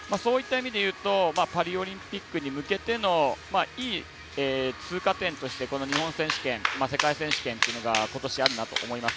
意味でいうとパリオリンピックに向けてのいい通過点としてこの日本選手権世界選手権というのが今年あるなと思います。